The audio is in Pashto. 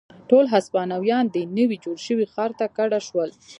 ټول هسپانویان دې نوي جوړ شوي ښار ته کډه شول.